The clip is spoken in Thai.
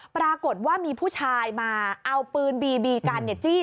ปรากฏว่ามีผู้ชายมาเอาปืนบีบีกันจี้